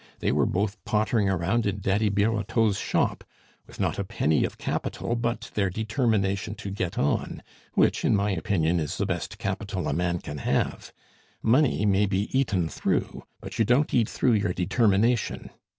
They were both pottering round in Daddy Birotteau's shop, with not a penny of capital but their determination to get on, which, in my opinion, is the best capital a man can have. Money may be eaten through, but you don't eat through your determination.